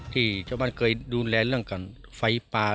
ที่ชาวบ้านเคยดูแลเรื่องกันไฟป่า